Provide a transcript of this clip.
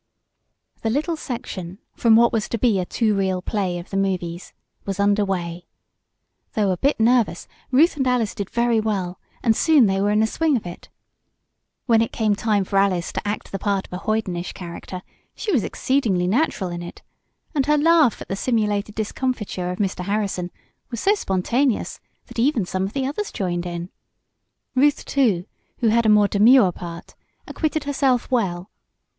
The little section, from what was to be a two reel play of the movies, was under way. Though a bit nervous Ruth and Alice did very well, and soon they were in the swing of it. When it came time for Alice to act the part of a hoydenish character, she was exceedingly natural in it, and her laugh at the simulated discomfiture of Mr. Harrison was so spontaneous that even some of the others joined in. Ruth, too, who had a more demure part, acquitted herself well.